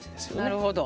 なるほど。